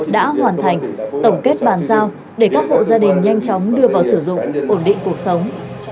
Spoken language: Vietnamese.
đã hoàn thành tổng kết bàn giao để các hộ gia đình nhanh chóng đưa vào sử dụng